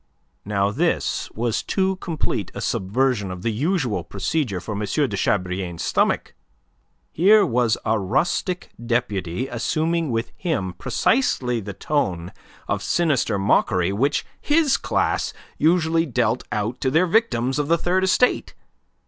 Now this was too complete a subversion of the usual procedure for M. de Chabrillane's stomach. Here was a rustic deputy assuming with him precisely the tone of sinister mockery which his class usually dealt out to their victims of the Third Estate.